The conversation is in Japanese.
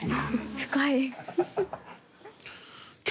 深い。